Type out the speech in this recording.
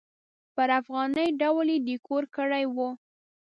پر افغاني ډول یې ډیکور کړی و.